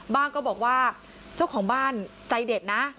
ก็บอกว่าเจ้าของบ้านใจเด็ดนะ